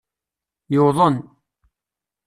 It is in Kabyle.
Yuḍen.